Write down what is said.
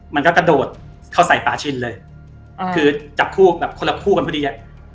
มันก็กระโดดเข้าใส่ป่าชินเลยคือจับคู่แบบคนละคู่กันพอดีอ่ะ